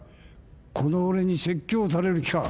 この俺に説教垂れる気か？